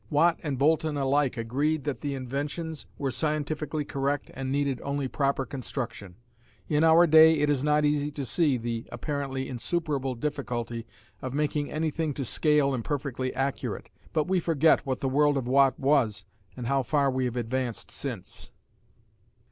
Watt and Boulton alike agreed that the inventions were scientifically correct and needed only proper construction. In our day it is not easy to see the apparently insuperable difficulty of making anything to scale and perfectly accurate, but we forget what the world of Watt was and how far we have advanced since.